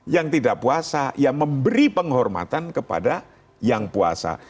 yang tidak puasa ya memberi penghormatan kepada yang puasa